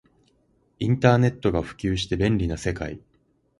インターネットが普及して便利な世界